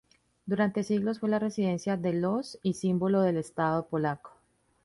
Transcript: Durante siglos fue la residencia de los y símbolo del estado polaco.